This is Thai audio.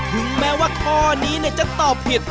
ถึงแม้ว่าข้อนี้จะตอบผิด